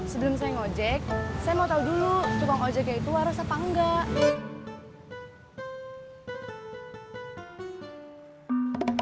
sebelum saya ngomong ojek saya mau tau dulu tukang ojeknya itu waras apa enggak